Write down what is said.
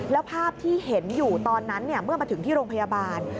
แล้วภาพที่เห็นอยู่ตอนนั้นเมื่อมาถึงที่โรงพยาบาล